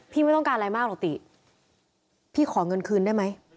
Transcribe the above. ไม่ต้องการอะไรมากหรอกติพี่ขอเงินคืนได้ไหม